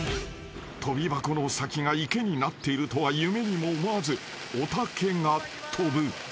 ［跳び箱の先が池になっているとは夢にも思わずおたけが跳ぶ］